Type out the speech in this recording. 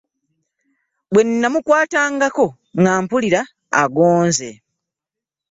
Bwe namukwatangako nga mpulira agonze.